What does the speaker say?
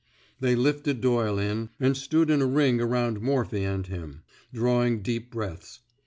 They lifted Doyle in, and stood in a ring around Morphy and him, drawing deep breaths.